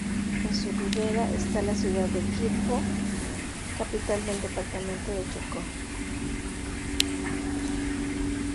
En su ribera está la ciudad de Quibdó, capital del departamento de Chocó.